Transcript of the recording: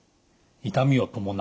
痛みを伴う。